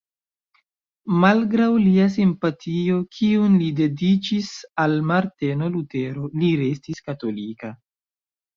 Malgraŭ lia simpatio kiun li dediĉis al Marteno Lutero, li restis katolika.